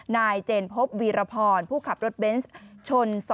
นายเจนพบวีรพรผู้ขับรถเบนส์ชน๒